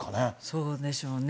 そうでしょうね。